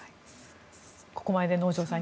ここまでで能條さん